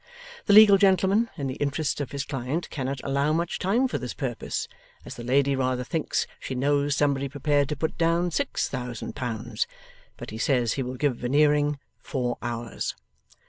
The legal gentleman, in the interests of his client cannot allow much time for this purpose, as the lady rather thinks she knows somebody prepared to put down six thousand pounds; but he says he will give Veneering four hours.